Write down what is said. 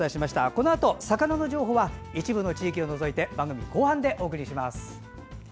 このあと魚の情報は一部の地域を除いて番組後半でお送りします。